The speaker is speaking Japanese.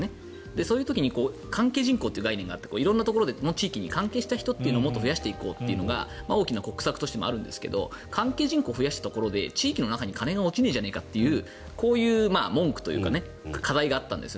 そういう時に関係人口というのがあって色んなところの地域に関係した人の人口を増やしていこうというのが国策でもあるんですが関係人口を増やしたところで地域に金が落ちないじゃないかというこういう文句というか課題があったんです。